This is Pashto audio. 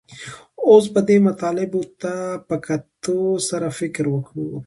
اوس به دې مطالبو ته په کتو سره فکر وکړو